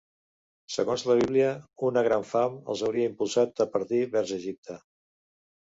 Segons la Bíblia, una gran fam els hauria impulsat a partir vers Egipte.